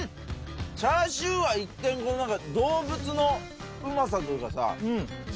チャーシューは一転動物のうまさというかさ。